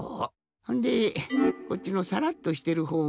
ほんでこっちのサラッとしてるほうがしお。